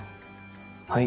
はい。